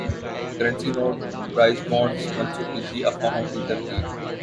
currency note prize bonds منسوخی کی افواہوں کی تردید